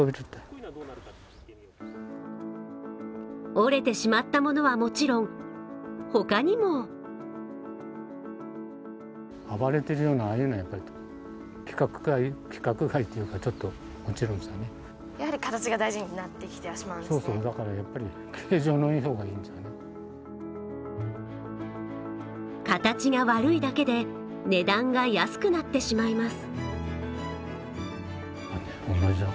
折れてしまったものはもちろん、他にも形が悪いだけで値段が安くなってしまいます。